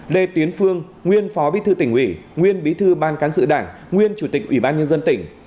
lê tiến phương nguyên phó bí thư tỉnh ủy nguyên bí thư ban cán sự đảng nguyên chủ tịch ủy ban nhân dân tỉnh